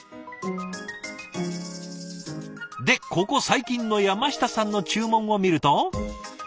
でここ最近の山下さんの注文を見ると。